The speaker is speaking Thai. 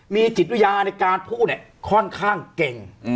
มีจิตวิญญาณในการพูดเนี่ยค่อนข้างเก่ง